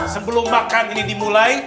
sebelum makan ini dimulai